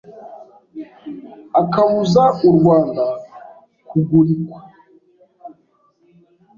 Akabuza u Rwanda kugurikwa